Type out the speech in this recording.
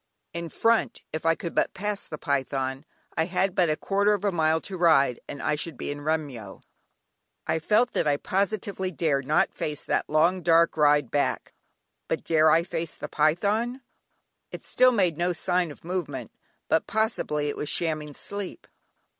In front, if I could but pass the python, I had but a quarter of a mile to ride and I should be in Remyo. I felt that I positively dared not face that long, dark, ride back; but dare I face the python? It still made no sign of movement; but possibly it was shamming sleep.